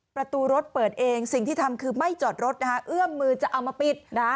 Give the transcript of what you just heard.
ประตูรถเปิดเองสิ่งที่ทำคือไม่จอดรถนะคะเอื้อมมือจะเอามาปิดนะฮะ